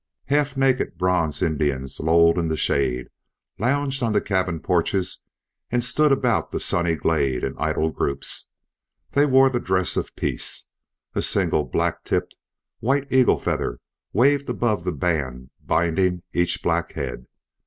Half naked bronze Indians lolled in the shade, lounged on the cabin porches and stood about the sunny glade in idle groups. They wore the dress of peace. A single black tipped white eagle feather waved above the band binding each black head.